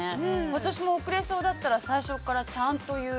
私も遅れそうだったら最初からちゃんと言う。